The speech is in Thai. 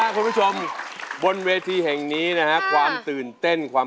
คนลำลูกกา